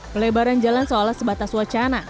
pelebaran jalan seolah sebatas wacana